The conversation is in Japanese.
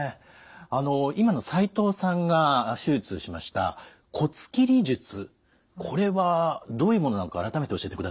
今の齋藤さんが手術しました骨切り術これはどういうものなのか改めて教えてください。